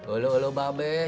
olah olah babes